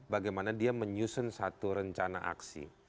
bagaimana dia menyusun satu rencana aksi